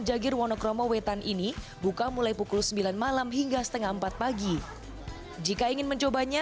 jagir wonokromo wetan ini buka mulai pukul sembilan malam hingga setengah empat pagi jika ingin mencobanya